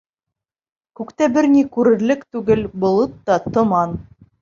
Күктә бер ни күрерлек түгел, болот та томан.